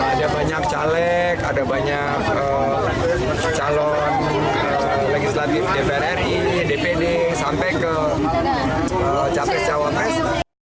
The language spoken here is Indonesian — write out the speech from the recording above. ada banyak caleg ada banyak calon legislatif dpr ri dpd sampai ke capres cawapres